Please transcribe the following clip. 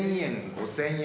５，０００円。